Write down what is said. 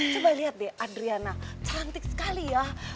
coba lihat deh adriana cantik sekali ya